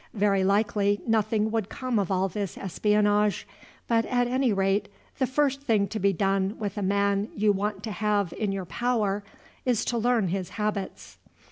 Very likely nothing would come of all this espionage; but, at any rate, the first thing to be done with a man you want to have in your power is to learn his habits.